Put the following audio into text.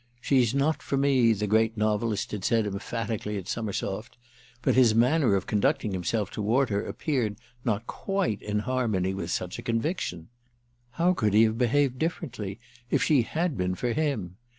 "She's not for me!" the great novelist had said emphatically at Summersoft; but his manner of conducting himself toward her appeared not quite in harmony with such a conviction. How could he have behaved differently if she had been for him?